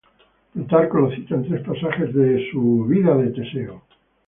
Plutarco lo cita en tres pasajes de su "Vida de Teseo".